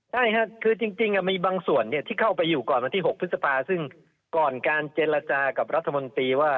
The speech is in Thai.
ใช่ค่ะหาคือจริงมีบางส่วนเนี่ยที่เข้าไปอยู่ก่อนวันที่๖พศซซึ่งก่อนการเจรจากับรัฐ